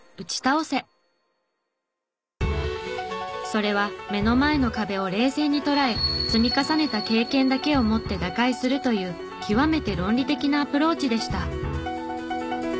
それは目の前の壁を冷静に捉え積み重ねた経験だけをもって打開するという極めて論理的なアプローチでした。